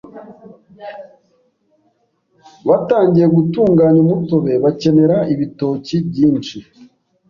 Batangiye gutunganya umutobe bakenera ibitoki byinshi,